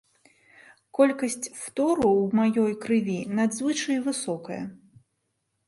Колькасць фтору ў маёй крыві надзвычай высокая.